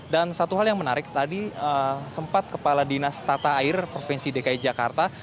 dan satu hal yang menarik tadi sempat kepala dinas tata air provinsi dki jakarta